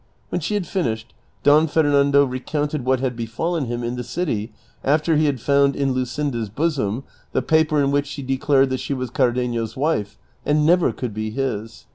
When she had finished Don Fernando recounted what had befallen him in the city after he had found in Lusciuda's bosom the paper in which she declared that she was Cardenio's wife, and never could be his.